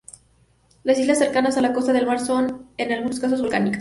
Las islas cercanas a la costa del mar son, en algunos casos volcánicas.